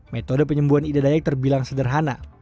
metode penyembuhan ida dayak terbilang sederhana